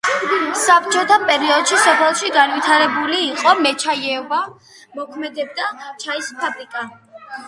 საბჭოთა პერიოდში სოფელში განვითარებული იყო მეჩაიეობა, მოქმედებდა ჩაის ფაბრიკა.